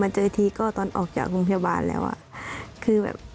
มาเจอที่ก็ตอนออกจากโรงพยาบาลแล้วคือ